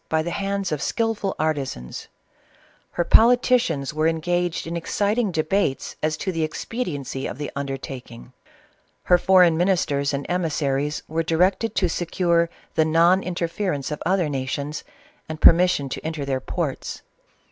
by the hands of skilful artisans f her politicians were en gaged in exciting debates as to the expediency of the undertaking: her foreign ministers and emissaries were directed to secure the non interference of other nations, and permission to enter their ports.